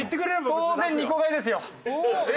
当然２個買いです。